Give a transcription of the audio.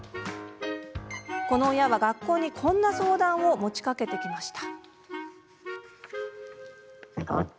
この親は学校にこんな相談を持ちかけてきました。